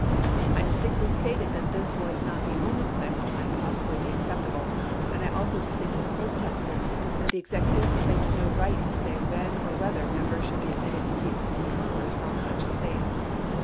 I dis tinctly stated that this was not the only plan which might possibly be acceptable, and I also distinctly protested that the Executive claimed no right to say when or whether Members should be admitted to seats in Congress from such States.